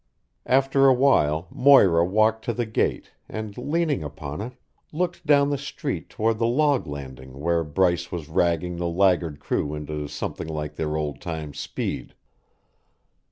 After a while Moira walked to the gate and leaning upon it, looked down the street toward the log landing where Bryce was ragging the laggard crew into some thing like their old time speed.